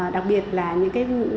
đặc biệt là những cái